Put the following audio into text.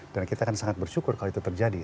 dan kita akan sangat bersyukur kalau itu terjadi